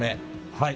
はい？